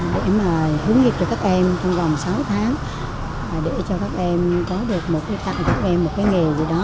để mà hướng nghiệp cho các em trong vòng sáu tháng để cho các em có được một cái tặng cho các em một cái nghề gì đó